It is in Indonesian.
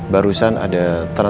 barusan ada pencari